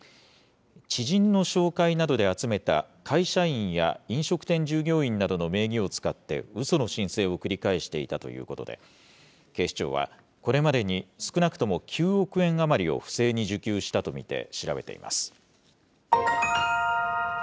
知人の紹介などで集めた会社員や飲食店従業員などの名義を使って、うその申請を繰り返していたということで、警視庁は、これまでに少なくとも９億円余りを不正に受給したと見て、調べています。